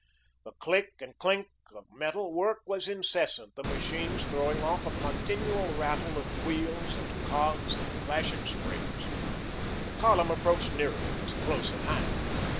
The click and clink of metal work was incessant, the machines throwing off a continual rattle of wheels and cogs and clashing springs. The column approached nearer; was close at hand.